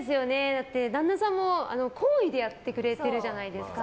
だって旦那さんも厚意でやってくれてるじゃないですか。